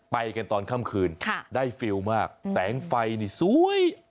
ไปกันตอนค่ำคืนได้ฟิลล์มากแสงไฟนี่สวย